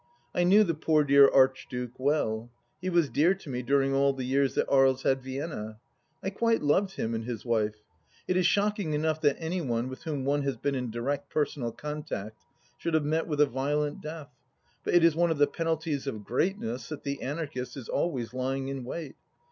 I knew the poor dear Archduke well : he was dear to me during all the years that Aries had Vienna. I quite loved him and his wife. It is shocking enough that any one with whom one has been in direct personal contact should have met with a violent death, but it is one of the penalties of greatness that the Anarchist is always lying in wait.